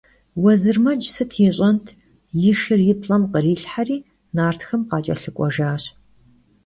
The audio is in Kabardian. Vuezırmec sıt yiş'ent – yi şşır yi plh'em khrilhheri, nartxem khaç'elhık'uejjaş.